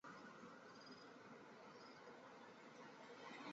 库尔泰莫。